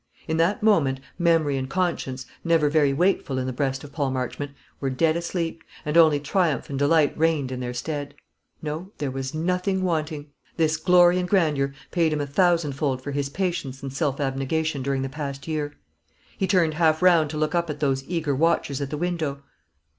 In that moment memory and conscience, never very wakeful in the breast of Paul Marchmont, were dead asleep, and only triumph and delight reigned in their stead. No; there was nothing wanting. This glory and grandeur paid him a thousandfold for his patience and self abnegation during the past year. He turned half round to look up at those eager watchers at the window.